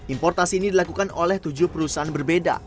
importasi ini dilakukan oleh tujuh perusahaan berbeda